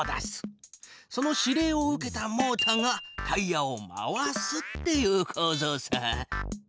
その指令を受けたモータがタイヤを回すっていうこうぞうさ。